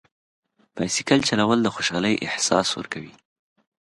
بایسکل چلول د خوشحالۍ احساس ورکوي.